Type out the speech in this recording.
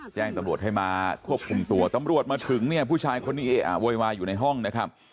แจ้งตำรวจให้มาควบคุมตัวตำรวจมาถึงเนี่ยผู้ชายคนนี้เออะโวยวายอยู่ในห้องนะครับ